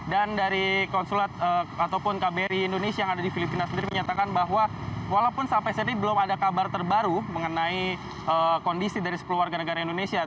dan dari konsulat ataupun kbri indonesia yang ada di filipina sendiri menyatakan bahwa walaupun sampai saat ini belum ada kabar terbaru mengenai kondisi dari sepuluh warga negara indonesia